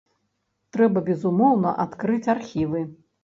Трэба, безумоўна, адкрыць архівы.